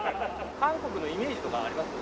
韓国のイメージとかあります？